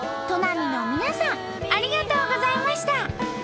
砺波の皆さんありがとうございました。